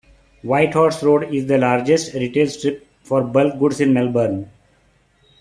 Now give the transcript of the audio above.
Whitehorse Road is the largest retail strip for bulkgoods in Melbourne.